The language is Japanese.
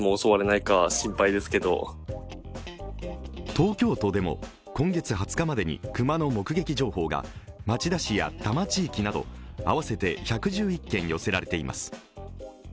東京都でも今月２０日までに熊も目撃情報が町田市や多摩地域など合わせて１１１件寄せられています。